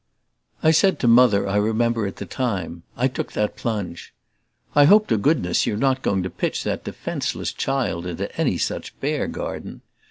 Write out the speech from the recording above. I said to Mother, I remember, at the time I took that plunge: "I hope to goodness you're not going to pitch that defenceless child into any such bear garden!"